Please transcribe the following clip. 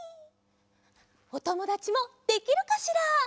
おともだちもできるかしら？